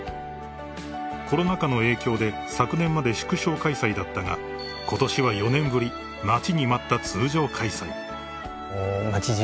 ［コロナ禍の影響で昨年まで縮小開催だったがことしは４年ぶり待ちに待った通常開催］